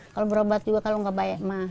kalau berobat juga kalau nggak baik mah